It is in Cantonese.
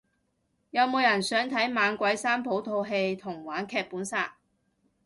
有冇人想睇猛鬼三寶套戲同玩劇本殺